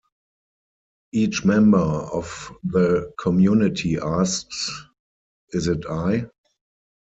Each member of the community asks, Is it I?